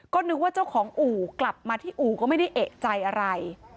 ก็นึกว่าเจ้าของอู่กลับมาที่อู่ก็ไม่ได้เอกใจอะไร